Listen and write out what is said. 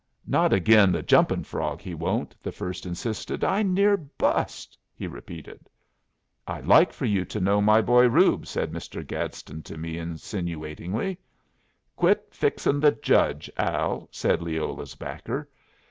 "Not agin 'The Jumping Frog,' he won't," the first insisted. "I near bust," he repeated. "I'd like for you to know my boy Reub," said Mr. Gadsden to me, insinuatingly. "Quit fixing' the judge, Al," said Leola's backer.